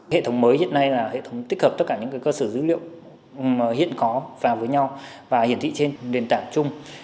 hệ thống mới hiện nay là hệ thống tích hợp tất cả những cơ sở dữ liệu hiện có vào với nhau và hiển thị trên nền tảng chung